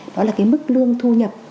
đó là cái mức lương thu nhập